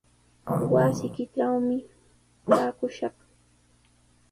Wasiykitrawmi taakushaq.